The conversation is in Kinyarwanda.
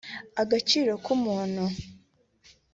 agaciro k’umuntu